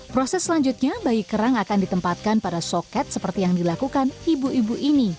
proses selanjutnya bayi kerang akan ditempatkan pada soket seperti yang dilakukan ibu ibu ini